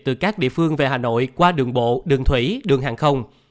từ các địa phương về hà nội qua đường bộ đường thủy đường hàng không